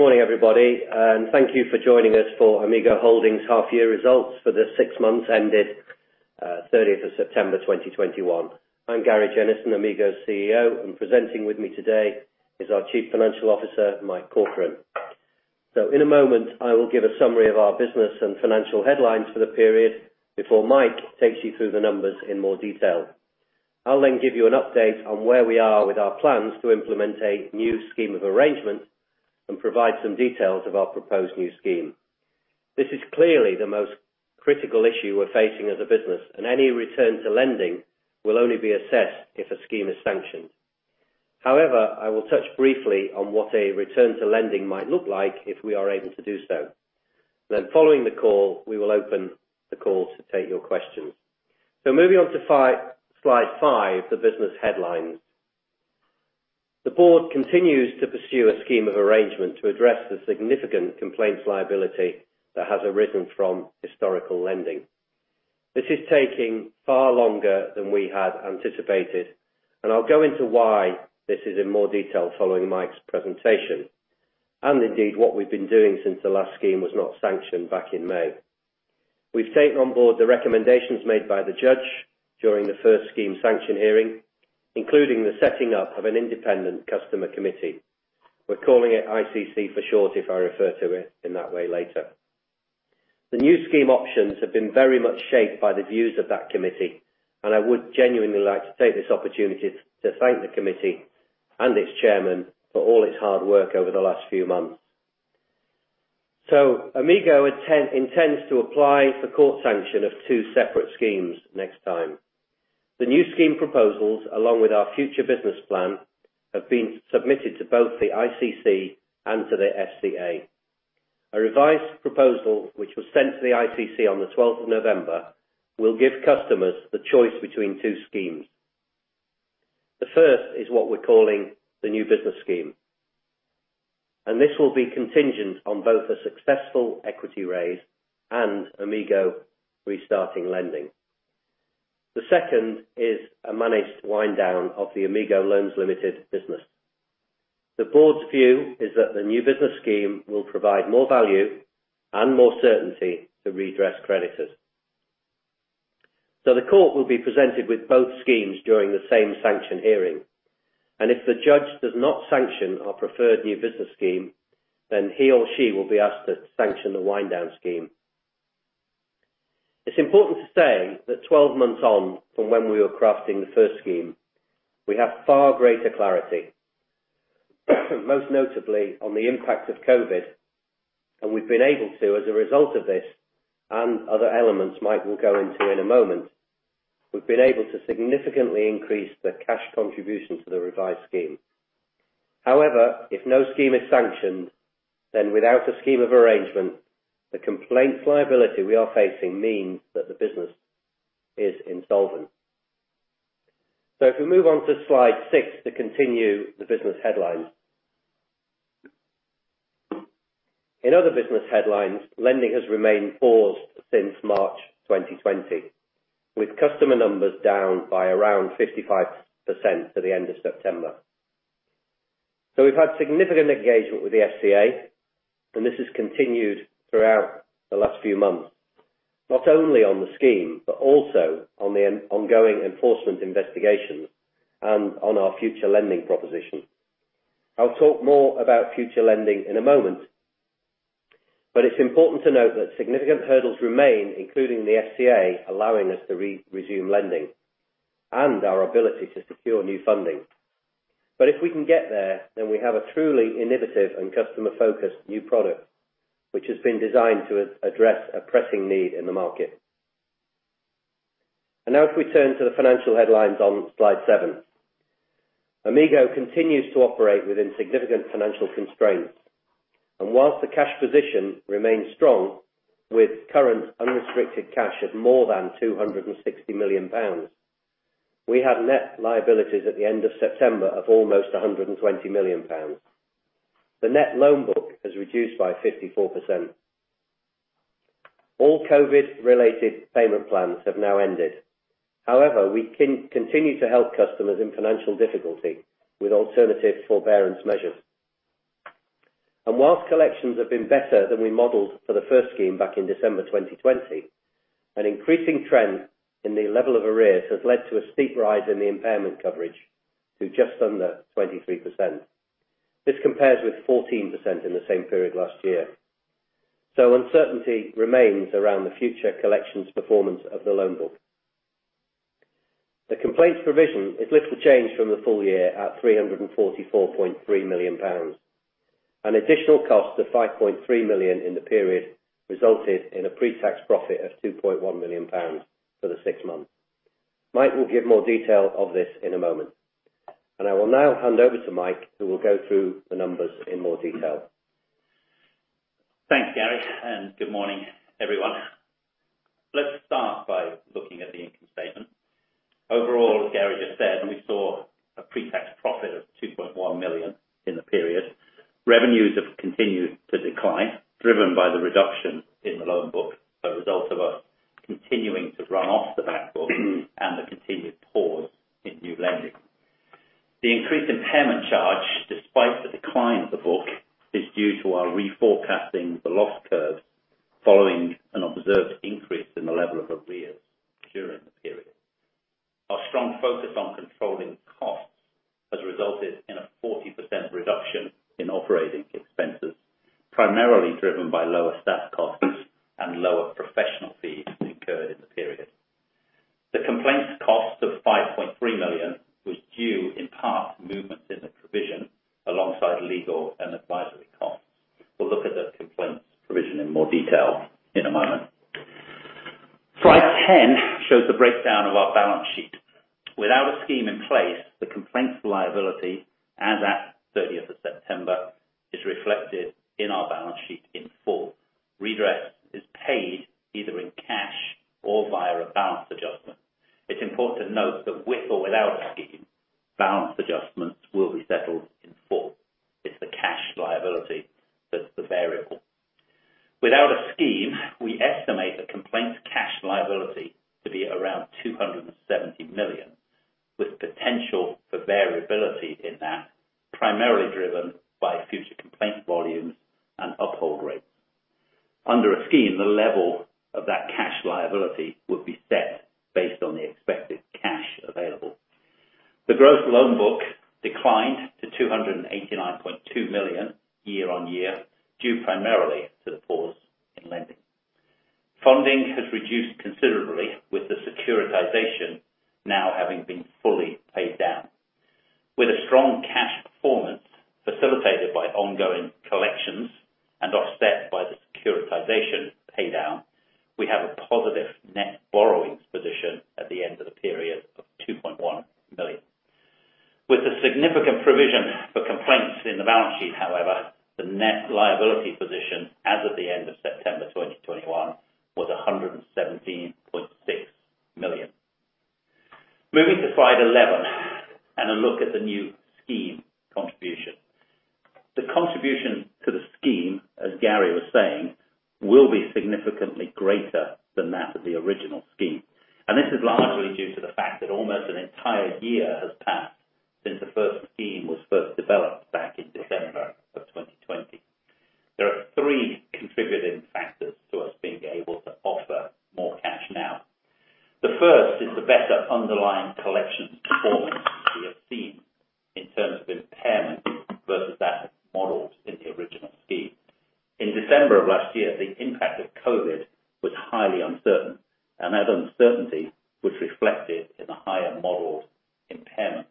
Good morning, everybody, and thank you for joining us for Amigo Holdings half year results for the six months ending 30th of September 2021. I'm Gary Jennison, Amigo's CEO, and presenting with me today is our Chief Financial Officer, Mike Corcoran. In a moment, I will give a summary of our business and financial headlines for the period before Mike takes you through the numbers in more detail. I'll then give you an update on where we are with our plans to implement a new scheme of arrangement and provide some details of our proposed new scheme. This is clearly the most critical issue we're facing as a business, and any return to lending will only be assessed if a scheme is sanctioned. However, I will touch briefly on what a return to lending might look like if we are able to do so. Following the call, we will open the call to take your questions. Moving on to slide five, the business headlines. The board continues to pursue a scheme of arrangement to address the significant complaints liability that has arisen from historical lending. This is taking far longer than we had anticipated, and I'll go into why this is in more detail following Mike's presentation, and indeed what we've been doing since the last scheme was not sanctioned back in May. We've taken on board the recommendations made by the judge during the first scheme sanction hearing, including the setting up of an Independent Customer Committee. We're calling it ICC for short, if I refer to it in that way later. The new scheme options have been very much shaped by the views of that committee, and I would genuinely like to take this opportunity to thank the committee and its chairman for all its hard work over the last few months. Amigo intends to apply for court sanction of two separate schemes next time. The new scheme proposals, along with our future business plan, have been submitted to both the ICC and to the FCA. A revised proposal, which was sent to the ICC on the 12th of November, will give customers the choice between two schemes. The first is what we're calling the New Business Scheme, and this will be contingent on both a successful equity raise and Amigo restarting lending. The second is a managed wind down of the Amigo Loans Ltd business. The board's view is that the New Business Scheme will provide more value and more certainty to redress creditors. The court will be presented with both schemes during the same sanction hearing, and if the judge does not sanction our preferred New Business Scheme, then he or she will be asked to sanction the Wind Down Scheme. It's important to say that 12 months on from when we were crafting the first scheme, we have far greater clarity, most notably on the impact of COVID, and we've been able to, as a result of this and other elements Mike will go into in a moment, we've been able to significantly increase the cash contribution to the revised scheme. However, if no scheme is sanctioned, then without a scheme of arrangement, the complaints liability we are facing means that the business is insolvent. If we move on to slide six to continue the business headlines. In other business headlines, lending has remained paused since March 2020, with customer numbers down by around 55% to the end of September. We've had significant engagement with the FCA, and this has continued throughout the last few months, not only on the scheme, but also on the ongoing enforcement investigation and on our future lending proposition. I'll talk more about future lending in a moment, but it's important to note that significant hurdles remain, including the FCA allowing us to resume lending and our ability to secure new funding. If we can get there, then we have a truly innovative and customer-focused new product, which has been designed to address a pressing need in the market. Now if we turn to the financial headlines on slide seven. Amigo continues to operate within significant financial constraints. While the cash position remains strong with current unrestricted cash of more than 260 million pounds, we have net liabilities at the end of September of almost 120 million pounds. The net loan book has reduced by 54%. All COVID related payment plans have now ended. However, we continue to help customers in financial difficulty with alternative forbearance measures. While collections have been better than we modeled for the first scheme back in December 2020, an increasing trend in the level of arrears has led to a steep rise in the impairment coverage to just under 23%. This compares with 14% in the same period last year. Uncertainty remains around the future collections performance of the loan book. The complaints provision is little changed from the full year at 344.3 million pounds. An additional cost of 5.3 million in the period resulted in a pre-tax profit of 2.1 million pounds for the six months. Mike will give more detail of this in a moment. I will now hand over to Mike, who will go through the numbers in more detail. Thanks, Gary, and good morning, everyone. Let's start by looking at the income statement. Overall, as Gary just said, we saw a pre-tax profit of 2.1 million in the period. Revenues have continued to decline, driven by the reduction in the loan book as a result of us continuing to run off the back book and the continued pause in new lending. The increased impairment charge, despite the decline of the book, is due to our reforecasting the loss curve following an observed increase in the level of arrears during the period. Our strong focus on controlling costs has resulted in a 40% reduction in operating expenses, primarily driven by lower staff costs and lower professional fees incurred in the period. The complaints cost of GBP 5.3 million With the significant provision for complaints in the balance sheet, however, the net liability position as of the end of September 2021 was 117.6 million. Moving to slide 11 and a look at the new scheme contribution. The contribution to the scheme, as Gary was saying, will be significantly greater than that of the original scheme. This is largely due to the fact that almost an entire year has passed since the first scheme was first developed back in December of 2020. There are three contributing factors to us being able to offer more cash now. The first is the better underlying collections performance we have seen in terms of impairment versus that modeled in the original scheme. In December of last year, the impact of COVID was highly uncertain, and that uncertainty was reflected in the higher modeled impairment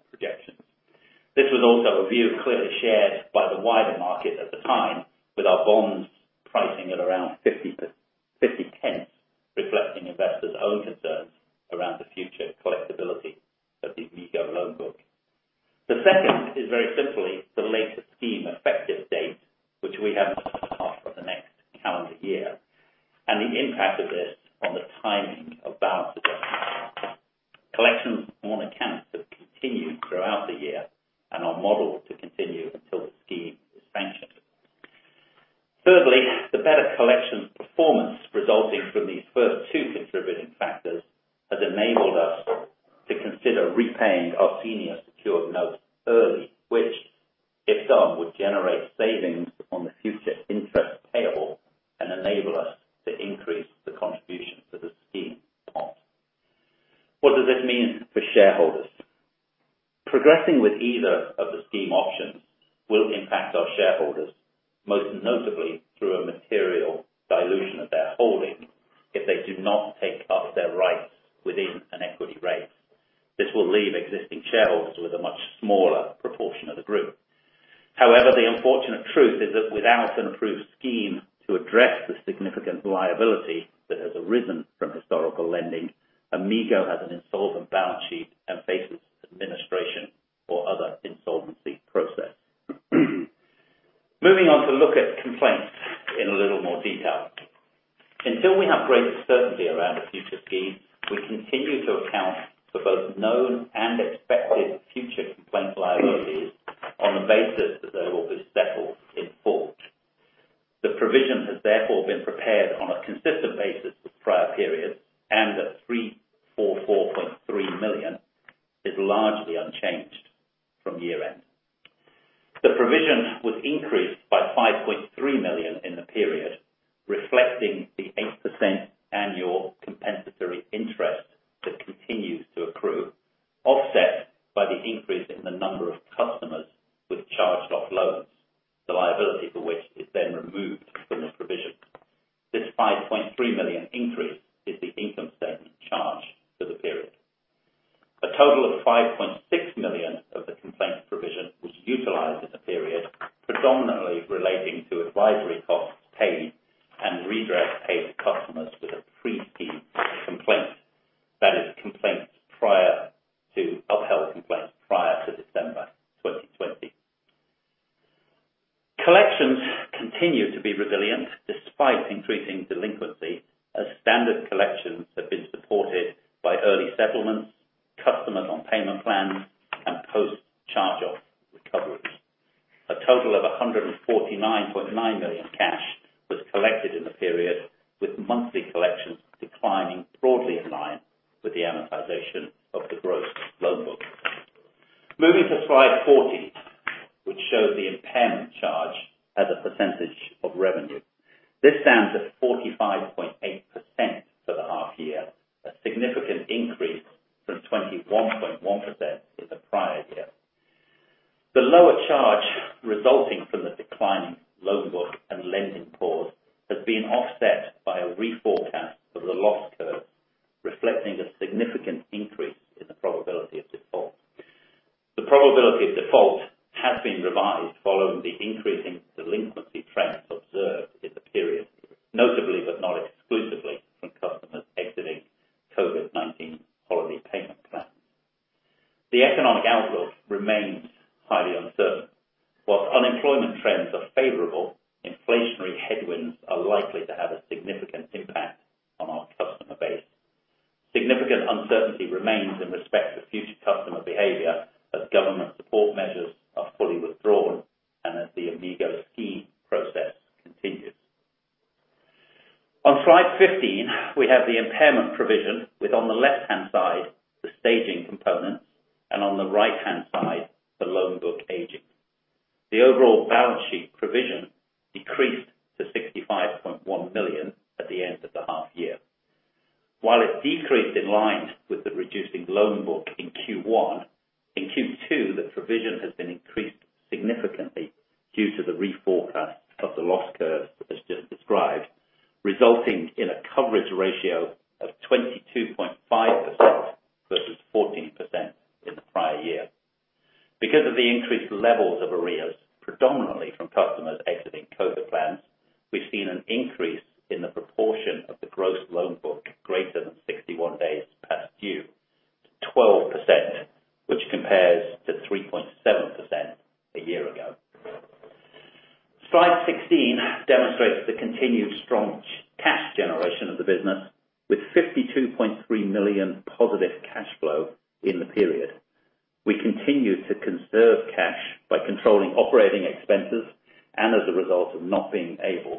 leave existing shareholders with a much smaller proportion of the group. However, the unfortunate truth is that without an approved scheme to address the significant liability that has arisen from historical lending, probability of default has been revised following the increasing Because of the increased levels of arrears, predominantly from customers exiting COVID plans, we have seen an increase in the proportion of the gross loan book greater than 61 days past due, 12%, which compares to 3.7% a year ago. Slide 16 demonstrates the continued strong cash generation of the business with 52.3 million positive cash flow in the period. We continue to conserve cash by controlling operating expenses and as a result of not being able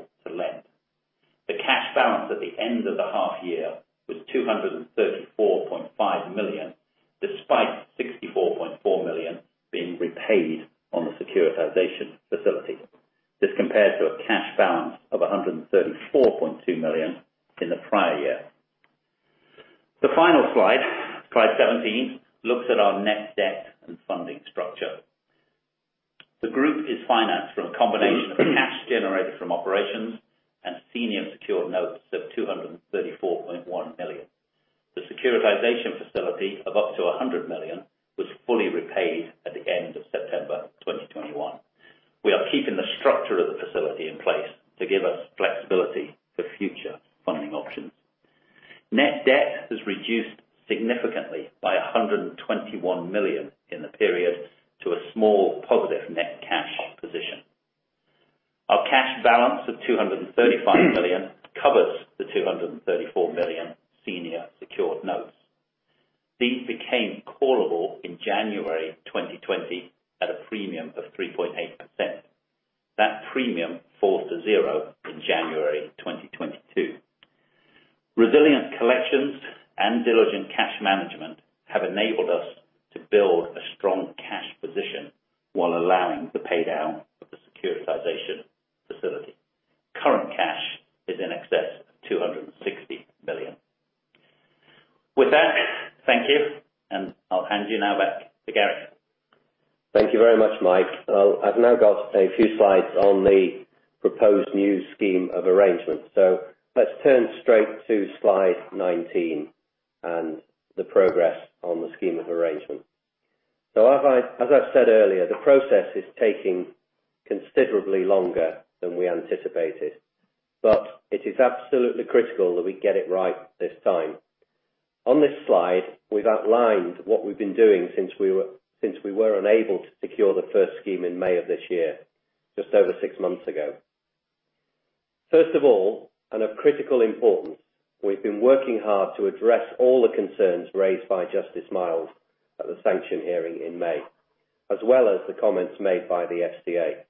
as well as the comments made by the FCA.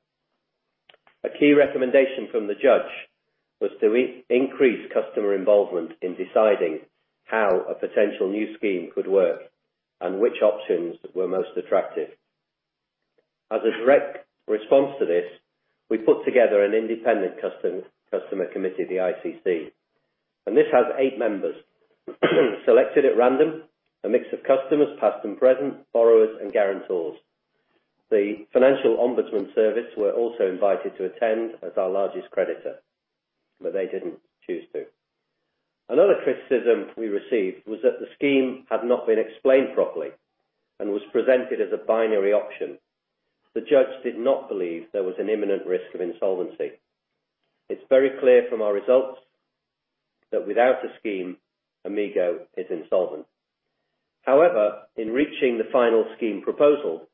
A key recommendation from the judge was to increase customer involvement in deciding how a potential new scheme could work and which options were most attractive. As a direct response to this, we put together an Independent Customer Committee, the ICC. This has eight members selected at random, a mix of customers, past and present, borrowers and guarantors. The Financial Ombudsman Service were also invited to attend as our largest creditor, but they didn't choose to. Another criticism we received was that the scheme had not been explained properly and was presented as a binary option. The judge did not believe there was an imminent risk of insolvency. It's very clear from our results that without a scheme, Amigo is insolvent. However, in reaching the final scheme proposal,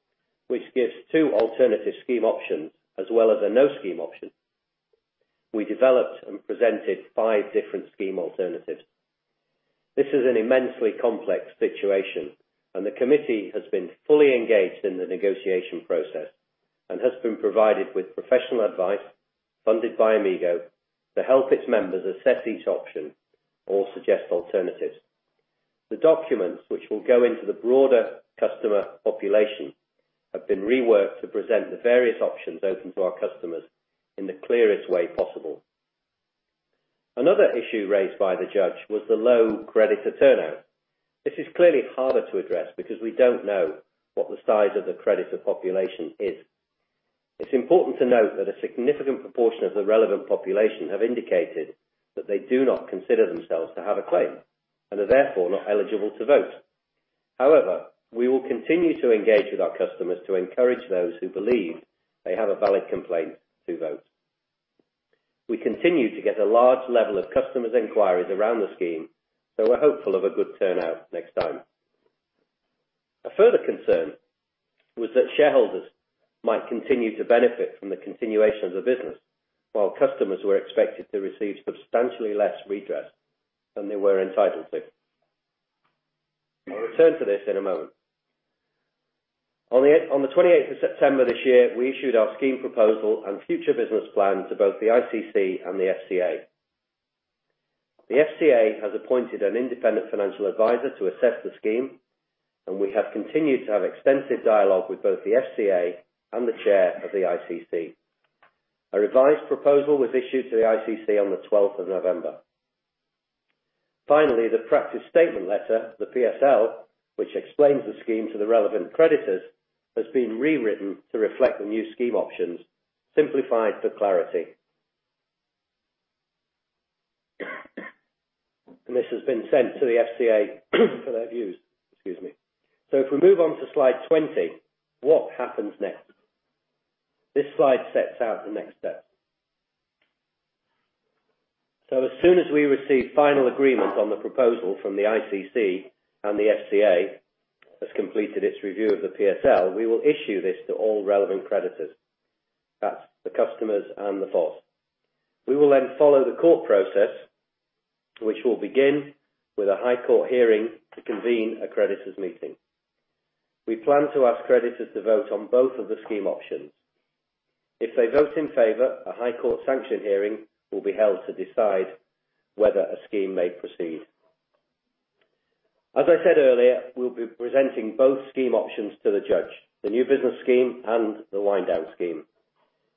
which gives two alternative scheme options as well as a no scheme option. We developed and presented five different scheme alternatives. This is an immensely complex situation, and the committee has been fully engaged in the negotiation process, and has been provided with professional advice funded by Amigo to help its members assess each option or suggest alternatives. The documents which will go into the broader customer population have been reworked to present the various options open to our customers in the clearest way possible. Another issue raised by the judge was the low creditor turnout. This is clearly harder to address because we don't know what the size of the creditor population is. It's important to note that a significant proportion of the relevant population have indicated that they do not consider themselves to have a claim, and are therefore not eligible to vote. However, we will continue to engage with our customers to encourage those who believe they have a valid complaint to vote. We continue to get a large level of customer inquiries around the scheme, so we're hopeful of a good turnout next time. A further concern was that shareholders might continue to benefit from the continuation of the business while customers were expected to receive substantially less redress than they were entitled to. I'll return to this in a moment. On the 28th of September this year, we issued our scheme proposal and future business plan to both the ICC and the FCA. The FCA has appointed an independent financial advisor to assess the scheme, and we have continued to have extensive dialogue with both the FCA and the chair of the ICC. A revised proposal was issued to the ICC on the 12th of November. Finally, the Practice Statement Letter, the PSL, which explains the scheme to the relevant creditors, has been rewritten to reflect the new scheme options, simplified for clarity. This has been sent to the FCA for their views. Excuse me. If we move on to slide 20, what happens next? This slide sets out the next steps. As soon as we receive final agreement on the proposal from the ICC and the FCA has completed its review of the PSL, we will issue this to all relevant creditors. That's the customers and the FOS. We will then follow the court process, which will begin with a High Court hearing to convene a creditor's meeting. We plan to ask creditors to vote on both of the scheme options. If they vote in favor, a High Court sanction hearing will be held to decide whether a scheme may proceed. As I said earlier, we'll be presenting both scheme options to the judge, the New Business Scheme and the Wind Down Scheme.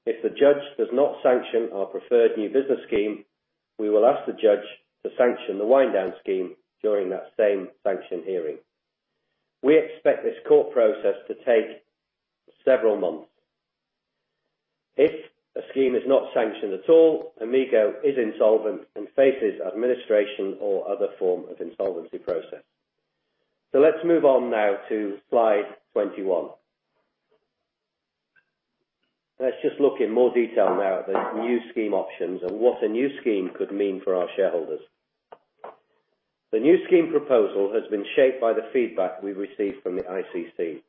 If the judge does not sanction our preferred New Business Scheme, we will ask the judge to sanction the Wind Down Scheme during that same sanction hearing. We expect this court process to take several months. If a scheme is not sanctioned at all, Amigo is insolvent and faces administration or other form of insolvency process. Let's move on now to slide 21. Let's just look in more detail now at the new scheme options and what a new scheme could mean for our shareholders. The new scheme proposal has been shaped by the feedback we've received from the ICC,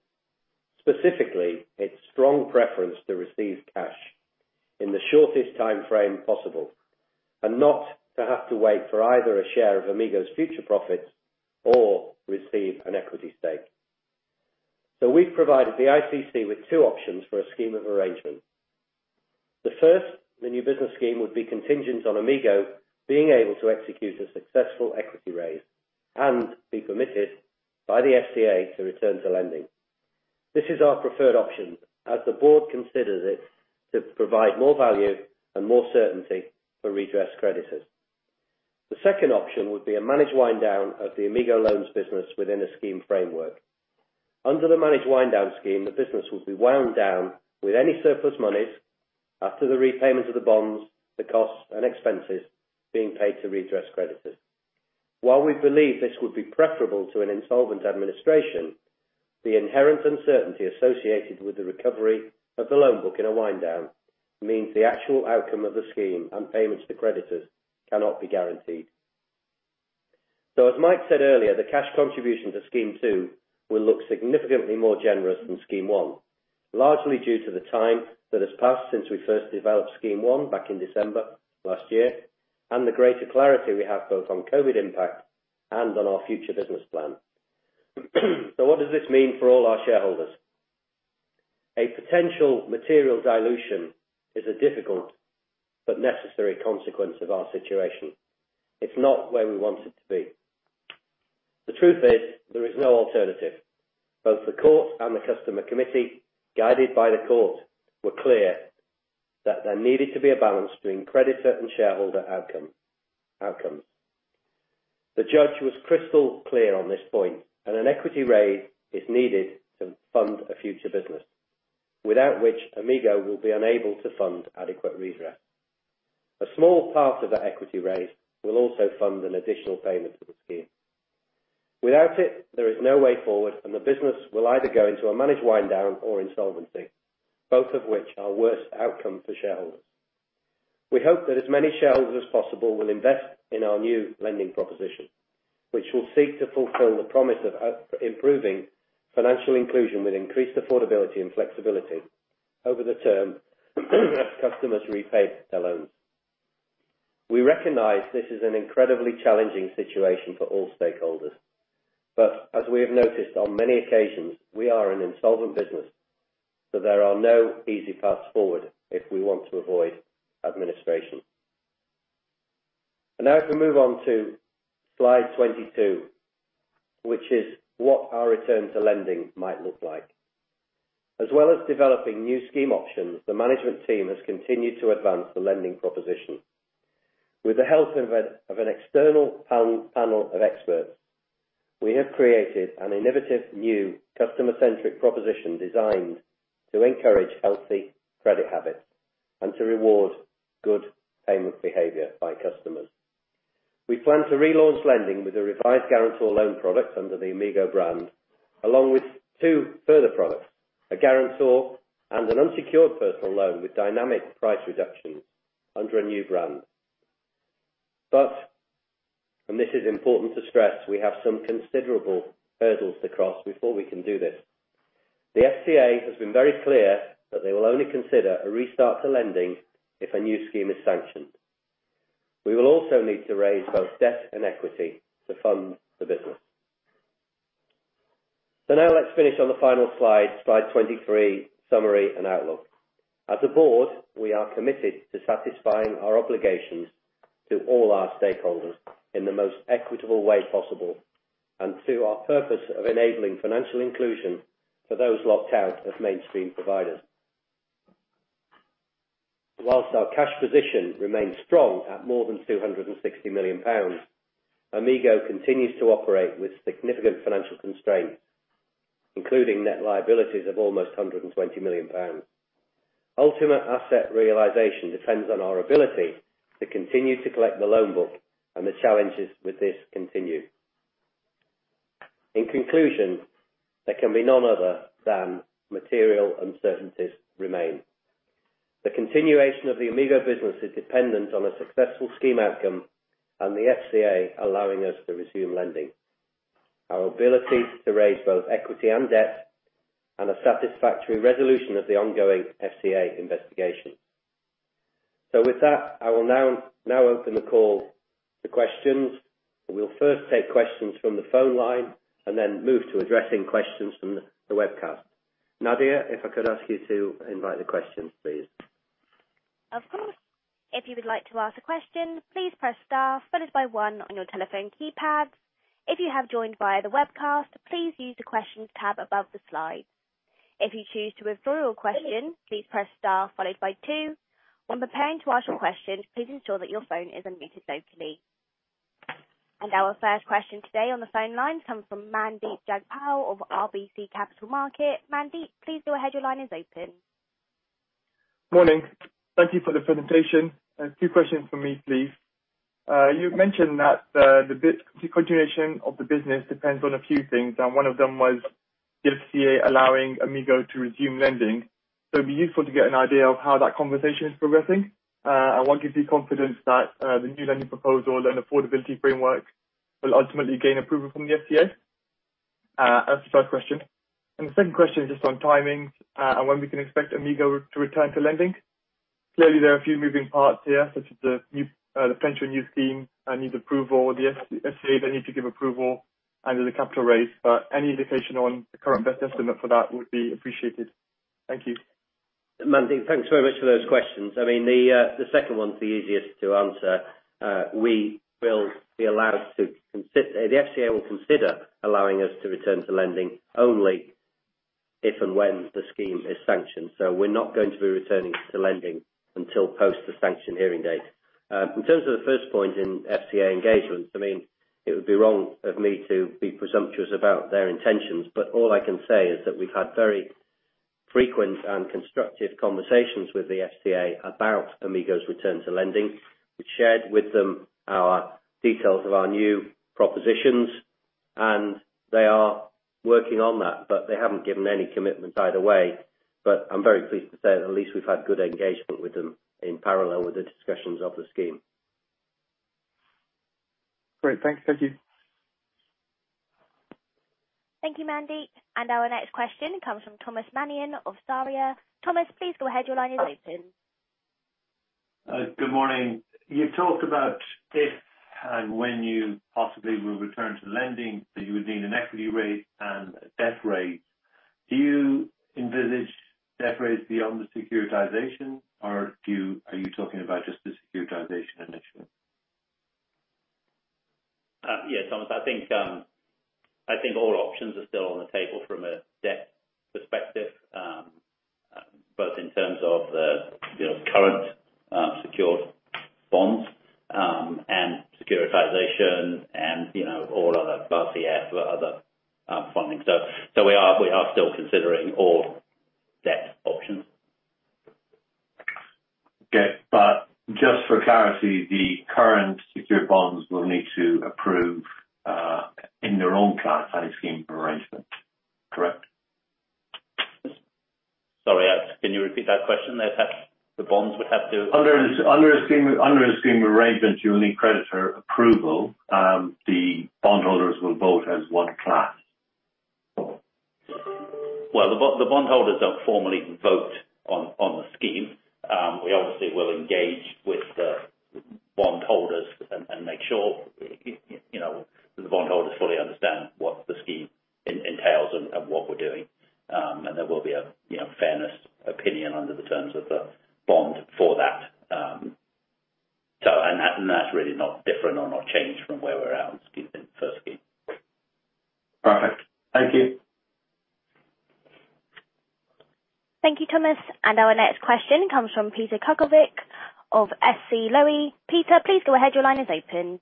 specifically its strong preference to receive cash in the shortest timeframe possible, and not to have to wait for either a share of Amigo's future profits or receive an equity stake. We've provided the ICC with two options for a scheme of arrangement. The first, the New Business Scheme, would be contingent on Amigo being able to execute a successful equity raise and be permitted by the FCA to return to lending. This is our preferred option as the board considers it to provide more value and more certainty for redress creditors. The second option would be a managed wind-down of the Amigo loans business within a scheme framework. Under the managed wind-down scheme, the business would be wound down, with any surplus money after the repayment of the bonds, the costs and expenses being paid to redress creditors. While we believe this would be preferable to an insolvent administration, the inherent uncertainty associated with the recovery of the loan book in a wind-down means the actual outcome of the scheme and payments to creditors cannot be guaranteed. As Mike said earlier, the cash contribution to scheme two will look significantly more generous than scheme one, largely due to the time that has passed since we first developed scheme one back in December last year, and the greater clarity we have both on COVID impact and on our future business plan. What does this mean for all our shareholders? A potential material dilution is a difficult but necessary consequence of our situation. It's not where we want it to be. The truth is there is no alternative. Both the court and the customer committee, guided by the court, were clear that there needed to be a balance between creditor and shareholder outcomes. The judge was crystal clear on this point, and an equity raise is needed to fund a future business, without which Amigo will be unable to fund adequate redress. A small part of that equity raise will also fund an additional payment to the scheme. Without it, there is no way forward, and the business will either go into a managed wind-down or insolvency, both of which are worse outcome for shareholders. We hope that as many shareholders as possible will invest in our new lending proposition, which will seek to fulfill the promise of improving financial inclusion with increased affordability and flexibility over the term as customers repay their loans. We recognize this is an incredibly challenging situation for all stakeholders. As we have noticed on many occasions, we are an insolvent business, so there are no easy paths forward if we want to avoid administration. Now if we move on to slide 22, which is what our return to lending might look like. As well as developing new scheme options, the management team has continued to advance the lending proposition. With the help of an external panel of experts, we have created an innovative new customer-centric proposition designed to encourage healthy credit habits and to reward good payment behavior by customers. We plan to relaunch lending with a revised guarantor loan product under the Amigo brand, along with two further products, a guarantor and an unsecured personal loan with dynamic price reductions under a new brand. and this is important to stress, we have some considerable hurdles to cross before we can do this. The FCA has been very clear that they will only consider a restart to lending if a new scheme is sanctioned. We will also need to raise both debt and equity to fund the business. now let's finish on the final slide 23, summary and outlook. As a board, we are committed to satisfying our obligations to all our stakeholders in the most equitable way possible, and to our purpose of enabling financial inclusion for those locked out of mainstream providers. While our cash position remains strong at more than 260 million pounds, Amigo continues to operate with significant financial constraints, including net liabilities of almost 120 million pounds. Ultimate asset realization depends on our ability to continue to collect the loan book and the challenges with this continue. In conclusion, there can be no other than material uncertainties remain. The continuation of the Amigo business is dependent on a successful scheme outcome and the FCA allowing us to resume lending, our ability to raise both equity and debt, and a satisfactory resolution of the ongoing FCA investigation. With that, I will now open the call to questions. We'll first take questions from the phone line and then move to addressing questions from the webcast. Nadia, if I could ask you to invite the questions, please. Of course. If you would like to ask a question, please press star followed by one on your telephone keypad. If you have joined via the webcast, please use the Questions tab above the slide. If you choose to withdraw your question, please press star followed by two. When preparing to ask your question, please ensure that your phone is unmuted locally. Our first question today on the phone line comes from Mandeep Jagpal of RBC Capital Markets. Mandeep, please go ahead. Your line is open. Morning. Thank you for the presentation. Two questions from me, please. You've mentioned that the continuation of the business depends on a few things, and one of them was the FCA allowing Amigo to resume lending. It'd be useful to get an idea of how that conversation is progressing. What gives you confidence that the new lending proposal and affordability framework will ultimately gain approval from the FCA? That's the first question. The second question is just on timings, and when we can expect Amigo to return to lending. Clearly, there are a few moving parts here, such as the potential new scheme needs approval. The FCA, they need to give approval under the capital raise. Any indication on the current best estimate for that would be appreciated. Thank you. Mandeep, thanks very much for those questions. I mean, the second one's the easiest to answer. We will be allowed to consider. The FCA will consider allowing us to return to lending only if and when the scheme is sanctioned. We're not going to be returning to lending until post the sanction hearing date. In terms of the first point in FCA engagements, I mean, it would be wrong of me to be presumptuous about their intentions, but all I can say is that we've had very frequent and constructive conversations with the FCA about Amigo's return to lending. We've shared with them our details of our new propositions, and they are working on that, but they haven't given any commitment either way. I'm very pleased to say that at least we've had good engagement with them in parallel with the discussions of the scheme. Great. Thanks. Thank you. Thank you, Mandeep. Our next question comes from Tomas Mannion of Sarria. Tomas, please go ahead. Your line is open. Good morning. You talked about if and when you possibly will return to lending, that you would need an equity raise and a debt raise. Do you envisage debt raise beyond the securitization, or are you talking about just the securitization initially? Yes, Tomas. I think all options are still on the table from a debt perspective, both in terms of the, you know, current secured bonds, and securitization and, you know, all other, but just for clarity, the current secured bonds will need to approve, in their own class, any scheme arrangement. Correct. Repeat that question that the bonds would have to Under a scheme arrangement, you'll need creditor approval. The bondholders will vote as one class. Well, the bondholders don't formally vote on the scheme. We obviously will engage with the bondholders and make sure, you know, the bondholders fully understand what the scheme entails and what we're doing. There will be a, you know, fairness opinion under the terms of the bond for that. That's really not different or not changed from where we're at on the scheme, the first scheme. Perfect. Thank you. Thank you, Tomas. Our next question comes from Peter Cuckovic of SC Lowy. Peter, please go ahead. Your line is open.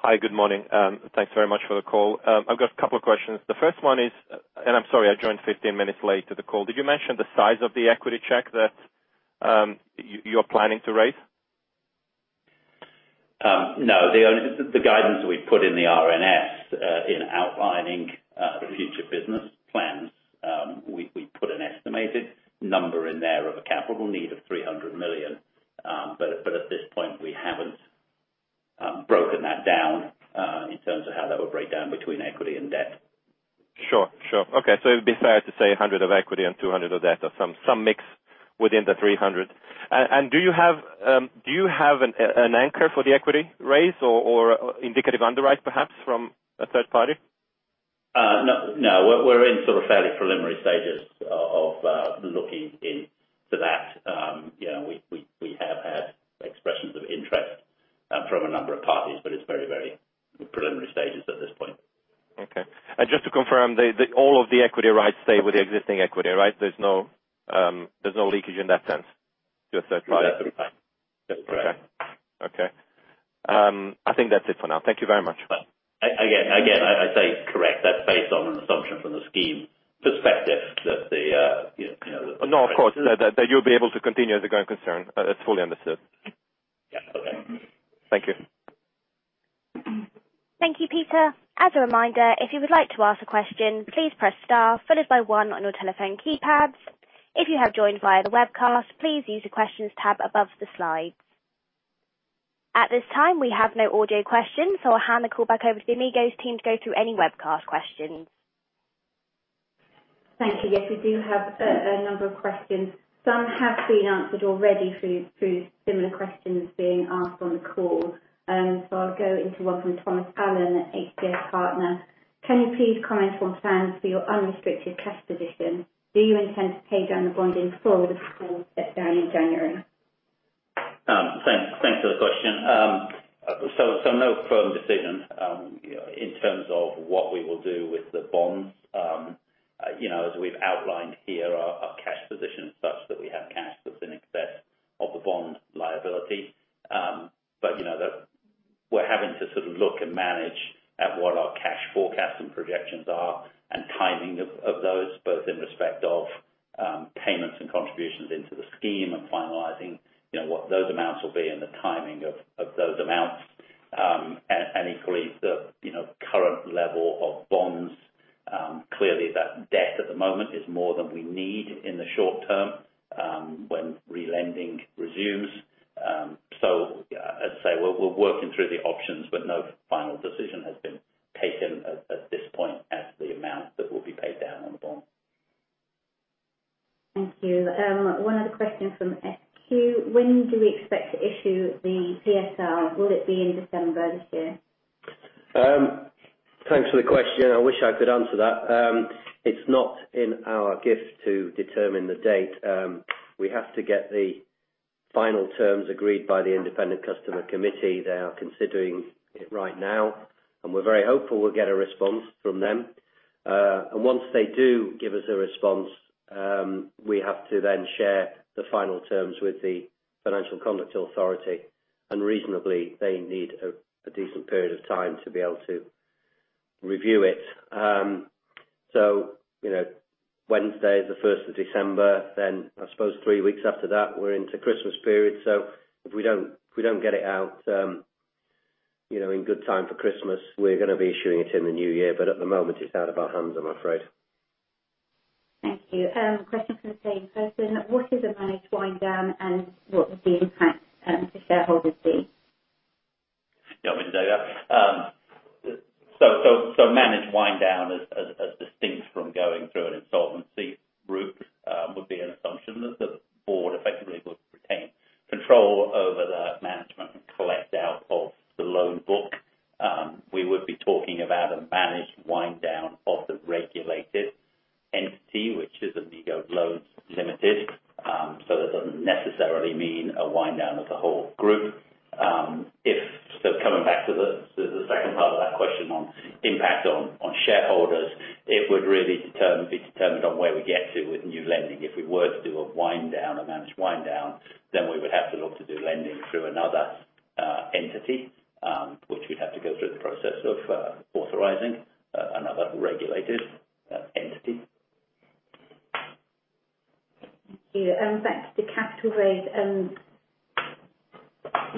Hi. Good morning. Thanks very much for the call. I've got a couple of questions. The first one is, I'm sorry, I joined 15 minutes late to the call. Did you mention the size of the equity check that, you're planning to raise? No. The only guidance we put in the RNS, in outlining the future business plans, we put an estimated number in there of a capital need of 300 million. At this point, we haven't broken that down, in terms of how that will break down between equity and debt. Sure, sure. Okay. It'd be fair to say 100 of equity and 200 of debt or some mix within the 300. Do you have an anchor for the equity raise or indicative underwrite perhaps from a third party? No. We're in sort of fairly preliminary stages of looking into that. You know, we have had expressions of interest from a number of parties, but it's very preliminary stages at this point. Okay. Just to confirm, all of the equity rights stay with the existing equity, right? There's no leakage in that sense to a third party? That's correct. Okay. I think that's it for now. Thank you very much. Again, I say correct. That's based on an assumption from the scheme perspective that the you know- No, of course. That you'll be able to continue as a growing concern. That's fully understood. Yeah. Okay. Thank you. Thank you, Peter. As a reminder, if you would like to ask a question, please press star followed by one on your telephone keypads. If you have joined via the webcast, please use the questions tab above the slides. At this time, we have no audio questions, so I'll hand the call back over to the Amigo's team to go through any webcast questions. Thank you. Yes, we do have a number of questions. Some have been answered already through similar questions being asked on the call. So I'll go into one from Thomas Allen at HPS Partners. Can you please comment on plans for your unrestricted cash position? Do you intend to pay down the bond in full before the step down in January? Thanks for the question. No firm decision, you know, in terms of what we will do with the bonds. You know, as we've outlined here our cash position such that we have cash that's in excess of the bond liability. You know that we're having to sort of look and manage at what our cash forecast and projections are and timing of those, both in respect of payments and contributions into the scheme and finalizing, you know, what those amounts will be and the timing of those amounts. Equally the, you know, current level of bonds. Clearly that debt at the moment is more than we need in the short term, when re-lending resumes. As I say, we're working through the options, but no final decision has been taken at this point as the amount that will be paid down on the bond. Thank you. One other question from SQ. When do we expect to issue the PSL? Will it be in December this year? Thanks for the question. I wish I could answer that. It's not in our gift to determine the date. We have to get the final terms agreed by the Independent Customer Committee. They are considering it right now, and we're very hopeful we'll get a response from them. Once they do give us a response, we have to then share the final terms with the Financial Conduct Authority. Reasonably, they need a decent period of time to be able to review it. You know, Wednesday is the first of December, then I suppose three weeks after that we're into Christmas period. If we don't get it out, you know, in good time for Christmas, we're gonna be issuing it in the new year. At the moment, it's out of our hands I'm afraid. Thank you. Question from the same person. What is a managed wind down and what would the impact to shareholders be? Yeah, I'll take that. Managed wind down is distinct from going through an insolvency route. It would be an assumption that the board effectively would retain control over the management and collect out of the loan book. We would be talking about a managed wind down of the regulated entity, which is Amigo Loans Ltd. That doesn't necessarily mean a wind down of the whole group. If so coming back to the second part of that question on impact on shareholders, it would really be determined on where we get to with new lending. If we were to do a wind down, a managed wind down, then we would have to look to do lending through another entity, which we'd have to go through the process of authorizing another regulated entity. Thank you. Back to the capital raise,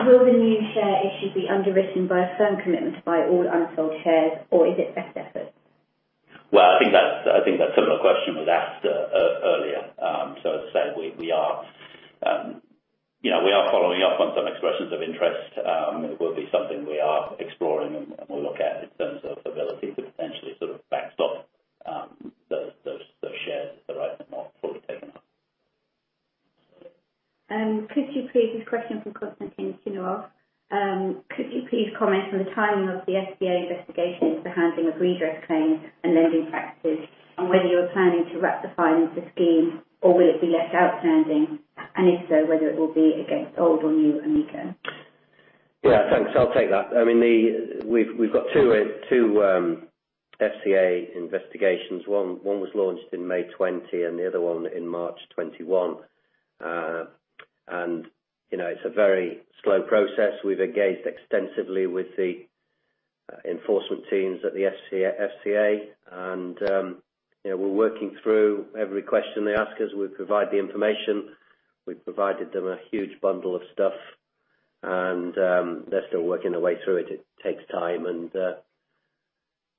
will the new share issue be underwritten by a firm commitment by all unsold shares, or is it best effort? Well, I think that similar question was asked earlier. As I said, we are, you know, following up on some expressions of interest. It will be something we are exploring and we'll look at in terms of ability to potentially sort of backstop those shares if the right amount are fully taken up. This question from [Constantine Kinross]. Could you please comment on the timing of the FCA investigation into the handling of redress claims and lending practices, and whether you're planning to wrap the findings of the scheme, or will it be left outstanding? If so, whether it will be against old or new Amigo? Yeah, thanks. I'll take that. I mean, we've got two FCA investigations. One was launched in May 2020 and the other one in March 2021. It's a very slow process. We've engaged extensively with the enforcement teams at the FCA, and we're working through every question they ask us. We provide the information. We've provided them a huge bundle of stuff and they're still working their way through it. It takes time and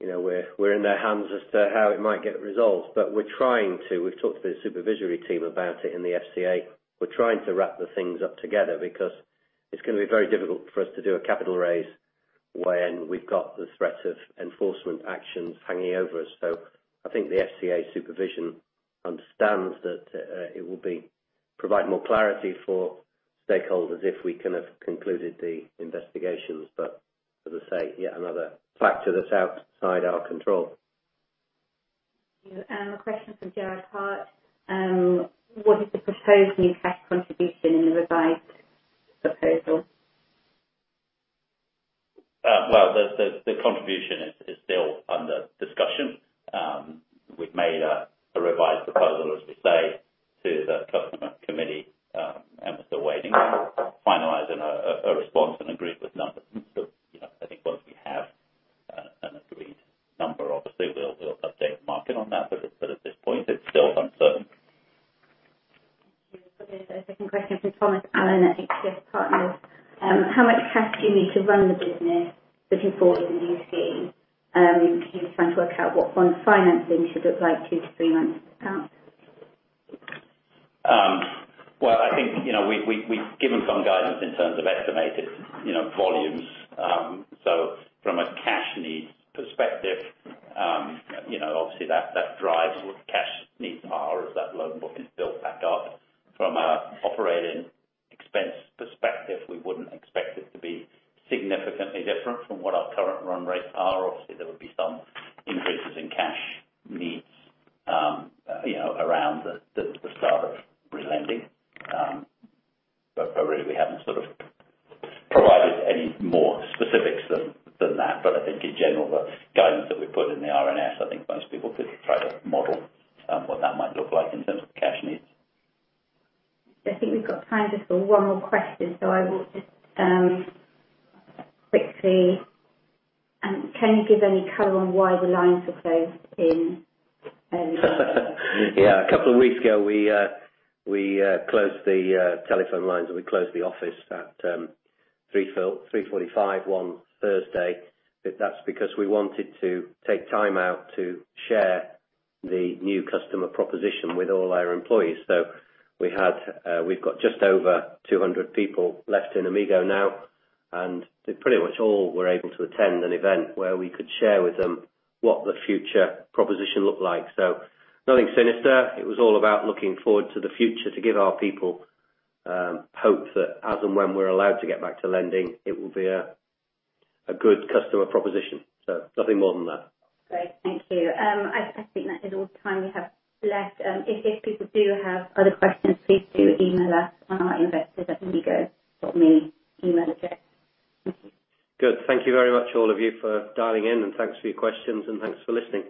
we're in their hands as to how it might get resolved. We're trying to. We've talked to the supervisory team about it in the FCA. We're trying to wrap the things up together because it's gonna be very difficult for us to do a capital raise when we've got the threat of enforcement actions hanging over us. I think the FCA supervision understands that it will provide more clarity for stakeholders if we can have concluded the investigations. As I say, yet another factor that's outside our control. Thank you. A question from Gerard Hart. What is the proposed new cash contribution in the revised proposal? Well, the contribution is still under discussion. We've made a revised proposal, as we say, to the customer committee, and we're still waiting, finalizing a response and agreed with numbers. You know, I think once we have an agreed number, obviously we'll update the market on that. At this point, it's still uncertain. Thank you. Okay. Second question from Thomas Allen at HPS Partners. How much cash do you need to run the business looking forward in the new scheme? He's trying to work out what fund financing should look like two to three months out. Well, I think, you know, we've given some guidance in terms of estimated, you know, volumes. So from a cash needs perspective, you know, obviously that drives what cash needs are as that loan book is built back up. From an operating expense perspective, we wouldn't expect it to be significantly different from what our current run rates are. Obviously, there would be some increases in cash needs, you know, around the start of relending. But really we haven't sort of provided any more specifics than that. But I think in general, the guidance that we put in the RNS, I think most people could try to model what that might look like in terms of cash needs. I think we've got time just for one more question. Can you give any color on why the lines were closed in? Yeah. A couple of weeks ago we closed the telephone lines, and we closed the office at 3:45 P.M. on Thursday. That's because we wanted to take time out to share the new customer proposition with all our employees. We've got just over 200 people left in Amigo now, and they pretty much all were able to attend an event where we could share with them what the future proposition looked like. Nothing sinister. It was all about looking forward to the future to give our people hope that as and when we're allowed to get back to lending, it will be a good customer proposition. Nothing more than that. Great. Thank you. I think that is all the time we have left. If people do have other questions, please do email us on our investors at amigo.me email address. Good. Thank you very much all of you for dialing in, and thanks for your questions, and thanks for listening.